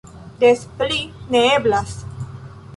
Des pli ne eblas!